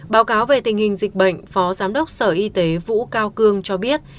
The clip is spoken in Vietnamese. báo cáo về tình hình dịch bệnh phó giám đốc sở y tế vũ cao cương cho biết